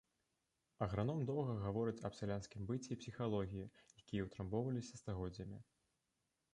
Аграном доўга гаворыць аб сялянскім быце і псіхалогіі, якія ўтрамбоўваліся стагоддзямі.